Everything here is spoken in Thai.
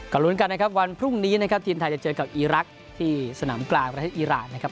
ก็ลุ้นกันนะครับวันพรุ่งนี้นะครับทีมไทยจะเจอกับอีรักษ์ที่สนามกลางประเทศอีรานนะครับ